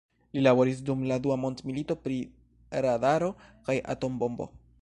Li laboris dum la dua mondmilito pri radaro kaj atombombo.